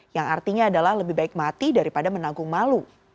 yang artinya adalah lebih baik mati daripada menanggung malu